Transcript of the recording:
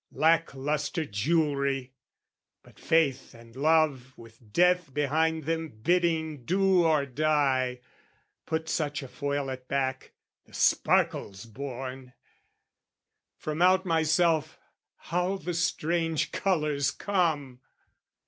Lack lustre jewelry; but faith and love With death behind them bidding do or die Put such a foil at back, the sparkle's born! From out myself how the strange colours come!